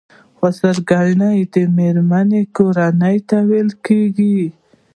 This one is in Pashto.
خسرګنۍ د مېړه کورنۍ ته ويل کيږي.